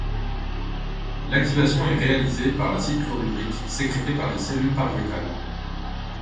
L'activation est réalisée par l'acide chlorhydrique sécrété par les cellules pariétales.